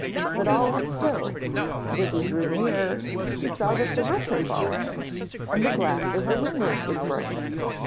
But all was still, and as he drew nearer he saw that the roof had fallen in, and the glass of the windows was broken.